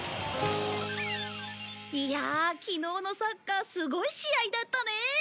いやあ昨日のサッカーすごい試合だったね。